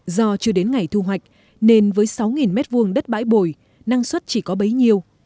do chưa đến ngày thu hoạch nên với sáu m hai đất bãi bồi năng suất chỉ có bấy nhiêu